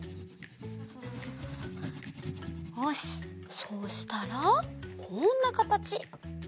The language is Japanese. そうしたらこんなかたち。